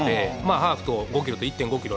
ハーフと５キロと１．５キロ